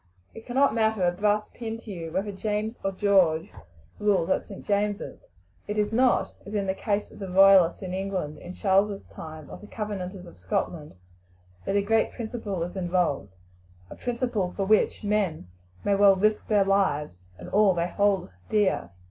It cannot matter a brass pin to you whether James or George rules at St. James's. It is not, as in the case of the Royalists in England in Charles's time or of the Covenanters of Scotland, that a great principle is involved a principle for which men may well risk their lives and all they hold dear.